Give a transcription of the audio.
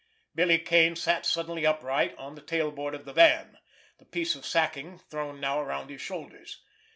Billy Kane sat suddenly upright on the tail board of the van, the piece of sacking thrown now around his shoulders.